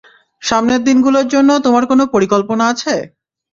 সামনের দিনগুলোর জন্য তোমার কোনো পরিকল্পনা আছে?